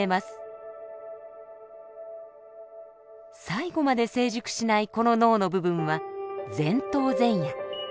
最後まで成熟しないこの脳の部分は前頭前野。